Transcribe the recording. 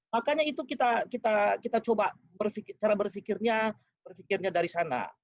makanya itu kita coba cara berpikirnya berpikirnya dari sana